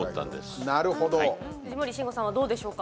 藤森慎吾さんはどうでしょうか。